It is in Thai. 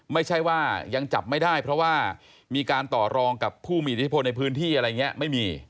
ไม่ใช่ว่ายังจับไม่ได้เพราะว่ามีการต่อรองกับผู้มีอิทธิพลในพื้นที่อะไรอย่างนี้ไม่มี